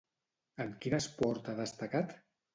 En quin esport ha destacat?